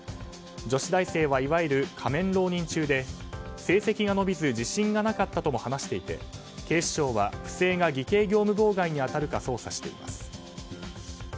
女子大生はいわゆる仮面浪人中で成績が伸びず自信がなかったとも話していて警視庁は、不正が偽計業務妨害に当たるか捜査しています。